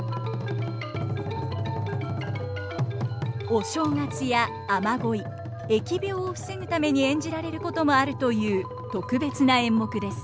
お正月や雨乞い疫病を防ぐために演じられることもあるという特別な演目です。